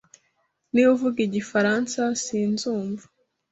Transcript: Niba uvuga igifaransa, sinzumva.